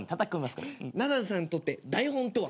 ナダルさんにとって台本とは？